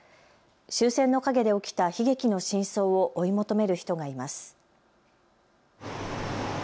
終戦の陰で起きた悲劇の真相を追い求める人がいます。